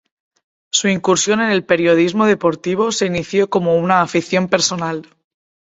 Su incursión en el periodismo deportivo se inició como una afición personal.